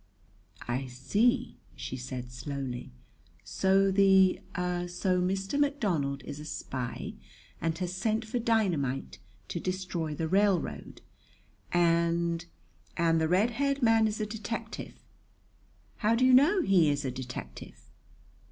"I see," she said slowly. "So the so Mr. McDonald is a spy and has sent for dynamite to destroy the railroad! And and the red haired man is a detective! How do you know he is a detective?"